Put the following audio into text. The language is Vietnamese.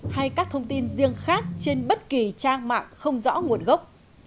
hay các thông tin riêng khác trên bất kỳ trang mạng không rõ nguồn gốc